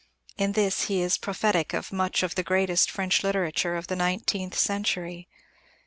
In this he is prophetic of much of the greatest French literature of the nineteenth century.